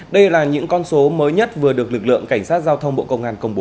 đây là những con số mới nhất vừa được lực lượng cảnh sát giao thông bộ công an công bố